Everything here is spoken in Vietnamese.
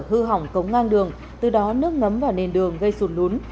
hư hỏng cống ngang đường từ đó nước ngấm vào nền đường gây sụt lún